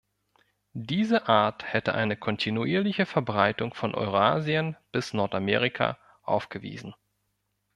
Diese Art hätte eine kontinuierliche Verbreitung von Eurasien bis Nordamerika aufgewiesen.